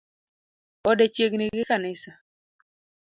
Ode chiegni gi kanisa